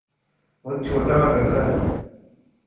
وہ چھوٹا اور ہلکا ہے۔